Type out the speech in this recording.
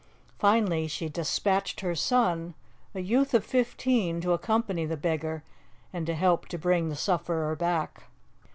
Finally, she despatched her son, a youth of fifteen, to accompany the beggar, and to help to bring the sufferer back.